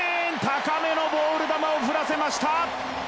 高めのボール球を振らせました。